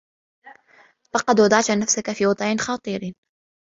لقد وضعت نفسك في وضع خطير.